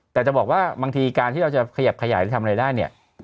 แต่จะบอกว่าบางทีการที่เราจะขยับขยายหรือทำอะไรได้เนี่ย